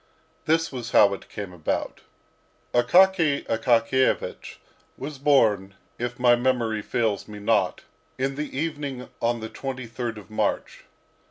This was how it came about. Akaky Akakiyevich was born, if my memory fails me not, in the evening on the 23rd of March.